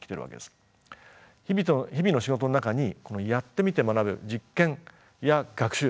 日々の仕事の中にこのやってみて学ぶ実験や学習